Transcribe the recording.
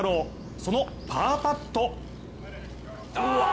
そのパーパット。